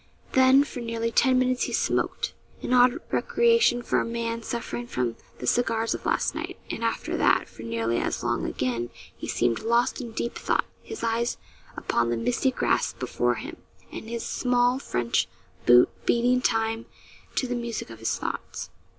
Then for nearly ten minutes he smoked an odd recreation for a man suffering from the cigars of last night and after that, for nearly as long again, he seemed lost in deep thought, his eyes upon the misty grass before him, and his small French boot beating time to the music of his thoughts.